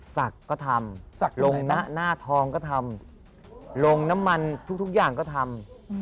ศักดิ์ก็ทำลงหน้าทองก็ทำลงน้ำมันทุกอย่างก็ทำ